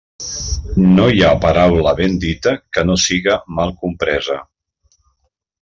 No hi ha paraula ben dita que no siga mal compresa.